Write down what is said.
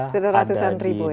sudah ratusan ribu ya